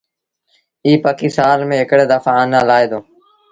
ايٚ پکي سآل ميݩ هڪڙي دڦآ آنآ لآهي دو۔